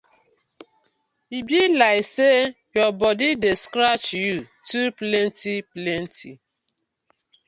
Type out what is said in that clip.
E bi layk say yur bodi dey scratch yu too plenty plenty.